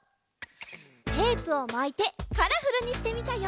テープをまいてカラフルにしてみたよ！